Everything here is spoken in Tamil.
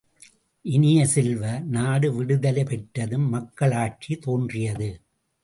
இனிய செல்வ, நாடு விடுதலை பெற்றதும் மக்களாட்சி தோன்றியது!